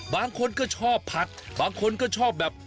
บางคนก็ชอบผัดบางคนก็ชอบแบบ